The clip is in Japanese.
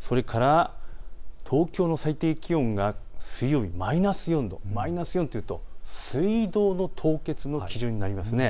それから東京の最低気温が水曜日、マイナス４度、マイナス４度というと水道の凍結が気になりますね。